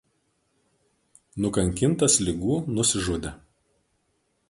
Nukankintas ligų nusižudė.